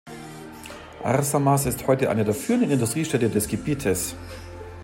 Arsamas ist heute eine der führenden Industriestädte des Gebietes.